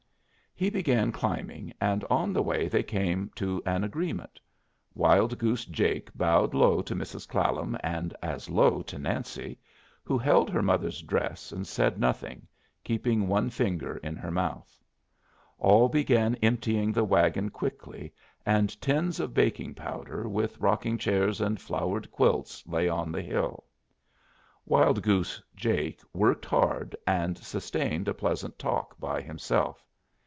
He began climbing, and on the way they came to an agreement. Wild Goose Jake bowed low to Mrs. Clallam, and as low to Nancy, who held her mother's dress and said nothing, keeping one finger in her mouth. All began emptying the wagon quickly, and tins of baking powder, with rocking chairs and flowered quilts, lay on the hill. Wild Goose Jake worked hard, and sustained a pleasant talk by himself.